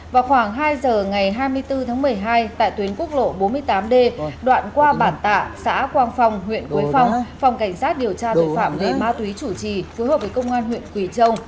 vào khoảng hai giờ ngày hai mươi bốn tháng một mươi hai tại tuyến quốc lộ bốn mươi tám d đoạn qua bản tạ xã quang phong huyện quế phong phòng cảnh sát điều tra tội phạm về ma túy chủ trì phối hợp với công an huyện quỳ châu